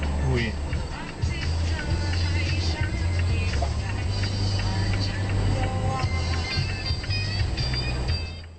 โอ้โฮ